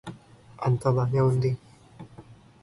Van Velde became the fourth sprinter to qualify for the games.